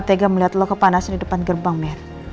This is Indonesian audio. gak tega juga lihat lo kerja dengan para penjaga cowok cowok itu